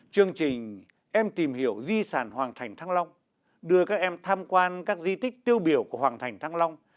chương trình em tìm hiểu di sản hoàng thành thăng long đưa các em tham quan các di tích tiêu biểu của hoàng thành thăng long